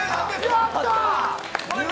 やったー！